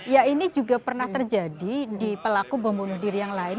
ya ini juga pernah terjadi di pelaku bom bunuh diri yang lain